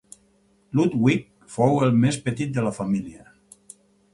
Ludwig fou el més petit de la família.